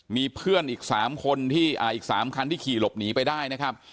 มีเพื่อนอีก๓คนที่อีก๓คันที่ขี่หลบหนีไปได้นะครับ